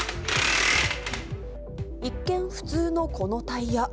一見、普通のこのタイヤ。